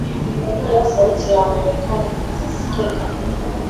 hiyo sauti ya wamarekani itasikika